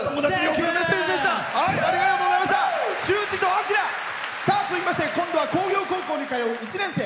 フォー！続きまして今度は工業高校に通う１年生。